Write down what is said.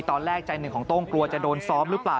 ตอนแรกใจหนึ่งของโต้งกลัวจะโดนซ้อมหรือเปล่า